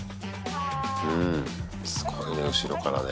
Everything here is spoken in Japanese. すごいね、後ろからね。